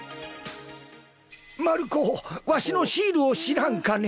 まる子わしのシールを知らんかね？